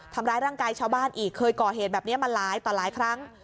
ทำร้ายร่างกายชาวบ้านอีกเคยก่อเหตุแบบนี้มาหลายต่อหลายครั้ง